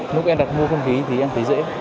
lúc em đặt mua không khí thì em thấy dễ